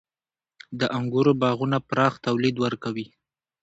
• د انګورو باغونه پراخ تولید ورکوي.